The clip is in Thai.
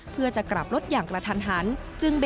เพื่อจะกลับรถอย่างกระทันหัน